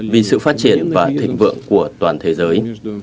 vì sự phát triển và thịnh vượng của toàn thế giới